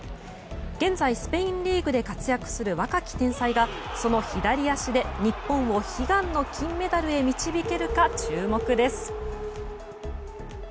現在スペインリーグで活躍する若き天才がその左足で日本を悲願の金メダルへ導けるか注目です。